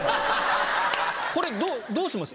これどうどうします？